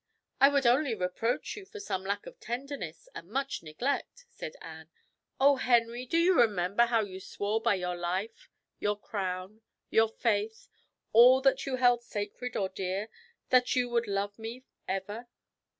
"I would only reproach you for some lack of tenderness, and much neglect," said Anne. "Oh, Henry! do you remember how you swore by your life your crown your faith all that you held sacred or dear that you would love me ever?"